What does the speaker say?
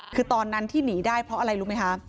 คือตอนนั้นที่หนีได้เพราะอะไรรู้ไหมคะ